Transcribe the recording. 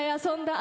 あ！